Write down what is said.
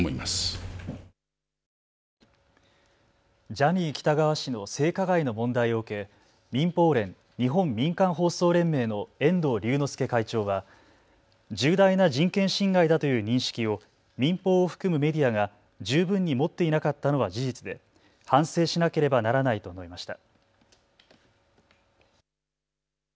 ジャニー喜多川氏の性加害の問題を受け民放連・日本民間放送連盟の遠藤龍之介会長は重大な人権侵害だという認識を民放を含むメディアが十分に持っていなかったのは事実で反省しなければならないと述べました。